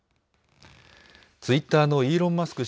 ツイッターのイーロン・マスク